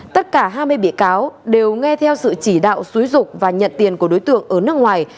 tất cả hai mươi bị cáo đều nghe theo sự chỉ đạo xúi dục và nhận tiền của đối tượng ở nước ngoài